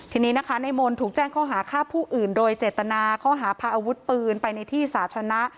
ทีนี้นะคะในมนต์ถูกแจ้งข้อหาฆ่าผู้อื่นโดยเจตนาข้อหาพาอาวุธปืนไปในที่สาธารณะ